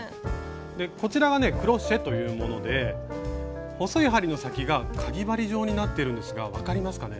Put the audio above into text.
こちらがねクロシェというもので細い針の先がかぎ針状になっているんですが分かりますかね？